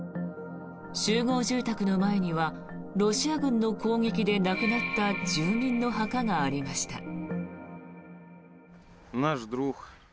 集合住宅の前にはロシア軍の攻撃で亡くなった住民の墓がありました。